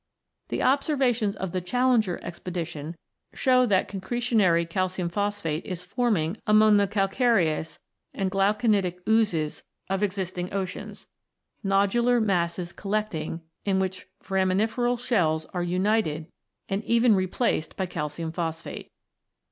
The observations of the "Challenger" expedition show that concretionary calcium phosphate is forming among the calcareous and glauconitic oozes of existing oceans, nodular masses collecting, in which foraminiferal shells are united and even replaced by calcium phosphate.